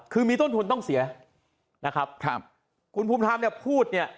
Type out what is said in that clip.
คือมีต้นทุนต้องเสียคุณภูมิธรรมพูดเนี่ย